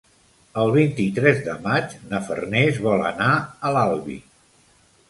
El vint-i-tres de maig na Farners vol anar a l'Albi.